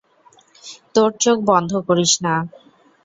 তোর চোখ বন্ধ করিস না।